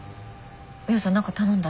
ミホさん何か頼んだ？